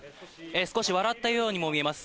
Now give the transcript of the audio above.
少し笑ったようにも見えます。